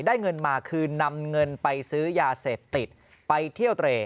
ได้เงินมาคือนำเงินไปซื้อยาเสพติดไปเที่ยวเตร